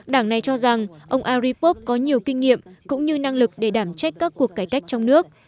đảng này cho rằng ông aripov có nhiều kinh nghiệm cũng như năng lực để đảm trách các cuộc cải cách trong nước